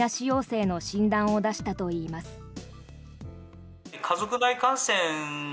陽性の診断を出したといいます。